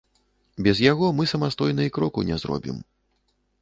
Без яго мы самастойна і кроку не зробім.